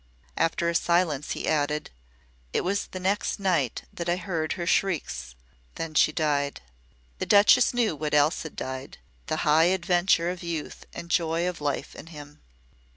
After a silence he added: "It was the next night that I heard her shrieks. Then she died." The Duchess knew what else had died: the high adventure of youth and joy of life in him.